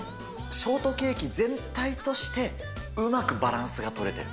ショートケーキ全体としてうまくバランスが取れてる。